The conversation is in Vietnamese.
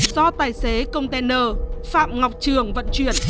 do tài xế container phạm ngọc trường vận chuyển